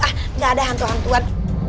ah nggak ada hantu hantuan